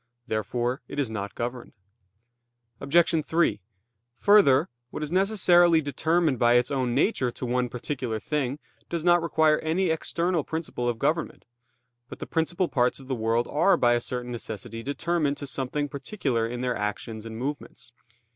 Therefore it is not governed. Obj. 3: Further, what is necessarily determined by its own nature to one particular thing, does not require any external principle of government. But the principal parts of the world are by a certain necessity determined to something particular in their actions and movements.